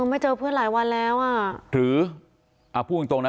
ไม่เจอเพื่อนหลายวันแล้วอ่ะหรืออ่าพูดจริงตรงนะ